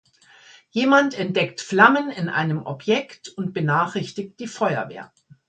Jemand entdeckt Flammen in einem Objekt und benachrichtigt die Feuerwehr.